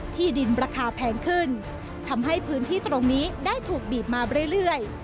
ที่ดินราคาแพงขึ้นทำให้พื้นที่ตรงนี้ได้ถูกบีบมาเรื่อย